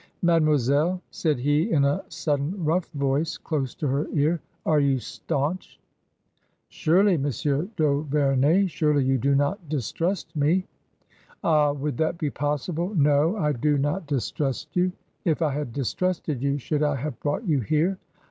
"Mademoiselle," said he, in a sudden, roug? voice close to her ear, " are you staunch ?*' "Surely, Monsieur d'Auverney, surely you 4o not distrust me ?"*" Ah ! would that be possible ? No ! I do noM^s y trust you. If I had distrusted you, should I haV' ^,e brought you here